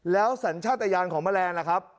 แล้วสัญชาติยานของแมลงล่ะครับ